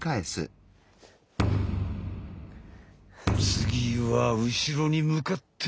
次は後ろに向かって。